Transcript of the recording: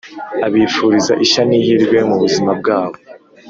abifuriza ishya n’ihirwe mu buzima bwabo.